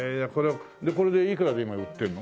これでいくらで今売ってるの？